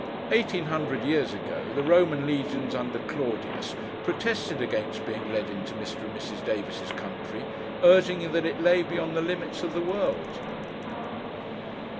Eighteen hundred years ago, the Roman legions under Claudius, protested against being led into Mr. and Mrs. Davis's country, urging that it lay beyond the limits of the world.